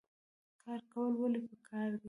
کار کول ولې پکار دي؟